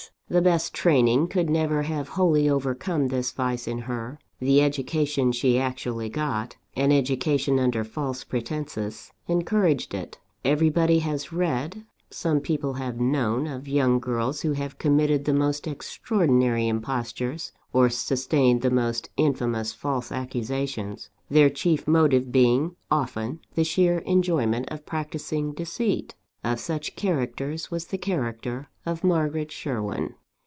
The best training could never have wholly overcome this vice in her: the education she actually got an education under false pretences encouraged it. Everybody has read, some people have known, of young girls who have committed the most extraordinary impostures, or sustained the most infamous false accusations; their chief motive being often the sheer enjoyment of practising deceit. Of such characters was the character of Margaret Sherwin.